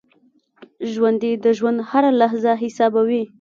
ژوندي د ژوند هره لحظه حسابوي